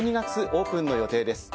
オープンの予定です。